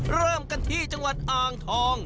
เริ่มกันที่จังหวัดอ่างทอง